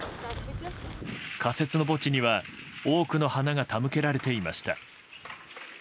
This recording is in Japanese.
仮設の墓地には多くの花が手向けられていました。